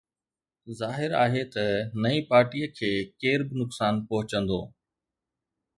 ظاهر آهي ته نئين پارٽيءَ کي ڪير به نقصان پهچندو